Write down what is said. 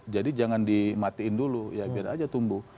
jadi jangan dimatiin dulu biar aja tumbuh